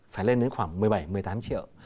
phải lên đến khoảng một mươi bảy một mươi tám triệu